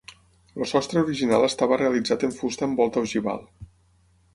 El sostre original estava realitzat en fusta amb volta ogival.